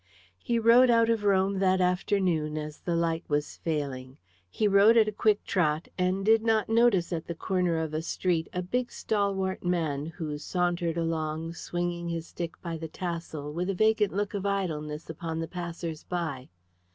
He rode out of Rome that afternoon as the light was failing. He rode at a quick trot, and did not notice at the corner of a street a big stalwart man who sauntered along swinging his stick by the tassel with a vacant look of idleness upon the passers by.